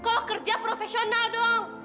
kalau kerja profesional dong